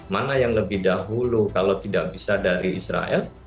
mana yang lebih dahulu kalau tidak bisa dari israel